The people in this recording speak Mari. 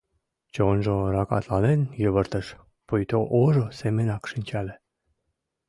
Чонжо ракатланен йывыртыш, пуйто ожо семынак шинчале.